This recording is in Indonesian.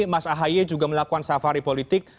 mas ahaye juga melakukan safari politik